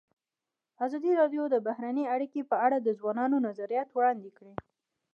ازادي راډیو د بهرنۍ اړیکې په اړه د ځوانانو نظریات وړاندې کړي.